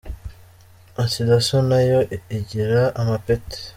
Ati “ Dasso nayo igira amapeti.